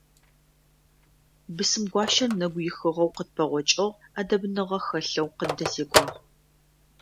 Бысымгуащэр нэгуихыгъэу къытпэгъокӏыгъ, ӏэдэбныгъэ хэлъэу къыддэзекӏуагъ.